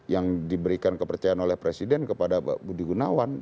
yang diberikan kepercayaan oleh presiden kepada budi gunawan